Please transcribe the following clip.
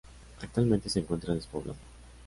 Actualmente se encuentra despoblado.